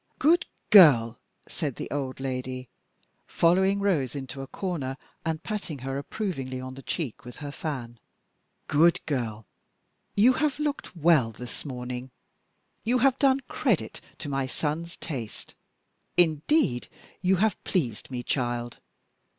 "Good girl," said the old lady, following Rose into a corner, and patting her approvingly on the cheek with her fan; "good girl, you have looked well this morning you have done credit to my son's taste. Indeed, you have pleased me, child!